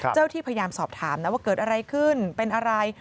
ที่พยายามสอบถามนะว่าเกิดอะไรขึ้นเป็นอะไร